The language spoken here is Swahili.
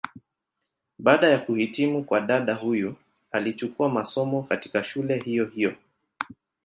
Baada ya kuhitimu kwa dada huyu alichukua masomo, katika shule hiyo hiyo.